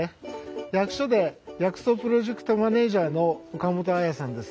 役所で薬草プロジェクトマネージャーの岡本文さんです。